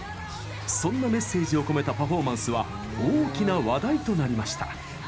そんなメッセージを込めたパフォーマンスは大きな話題となりました。